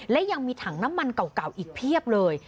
และยังมีถังน้ำมันเก่าอีกเพียบเลย